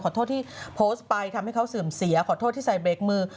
โทษที่โพสต์ไปทำให้เขาเสื่อมเสียขอโทษที่ใส่เบรกมือ